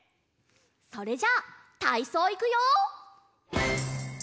それじゃたいそういくよ！